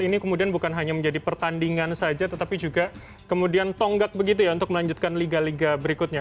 ini kemudian bukan hanya menjadi pertandingan saja tetapi juga kemudian tonggak begitu ya untuk melanjutkan liga liga berikutnya